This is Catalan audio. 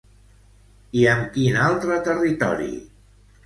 I amb quin altre territori?